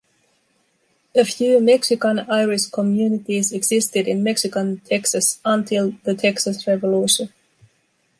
A few Mexican Irish communities existed in Mexican Texas until the Texas Revolution.